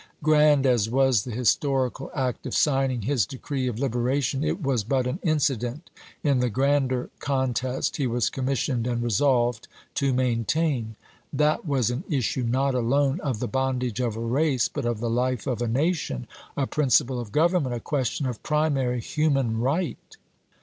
G rand as was the historical act of signing his decree of liberation, it was but an incident in the grander contest he was commissioned and resolved to main tain. That was an issue, not alone of the bondage of a race, but of the life of a nation, a principle of government, a question of primary human right.